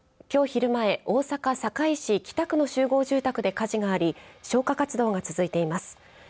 きょう昼前、大阪堺市北区の集合住宅で火事があり消火活動が続いています。